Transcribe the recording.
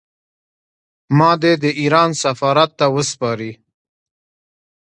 ما دې د ایران سفارت ته وسپاري.